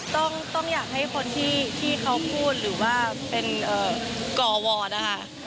ต้องอยากให้คนที่เขาพูดหรือว่าเป็นกวอร์ดนะคะ